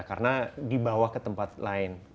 karena dibawa ke tempat lain